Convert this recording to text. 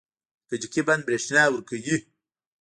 د کجکي بند بریښنا ورکوي